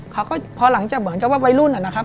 เขาก็พอหลังจากเหมือนกับว่าวัยรุ่นนะครับ